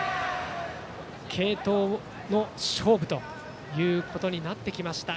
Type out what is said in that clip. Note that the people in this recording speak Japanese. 継投の勝負ということになってきました。